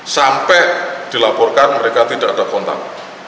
sampai dilaporkan mereka tidak ada kontak